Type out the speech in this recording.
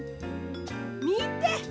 みて！